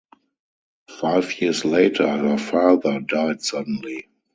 Five years later, her father died suddenly.